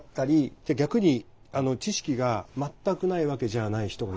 じゃあ逆に知識が全くないわけじゃない人が言う。